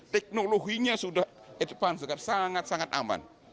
teknologinya sudah advance sangat sangat aman